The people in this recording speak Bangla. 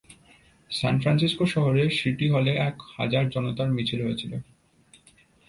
সান ফ্রান্সিস্কো শহরে সিটি হলে এক হাজার জনতার মিছিল হয়েছিল।